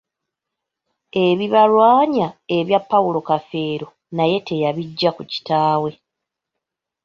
Ebibalwanya ebya Paulo Kafeero naye teyabijja ku kitaawe.